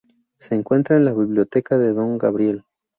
Se encuentra en la "Biblioteca de Don Gabriel".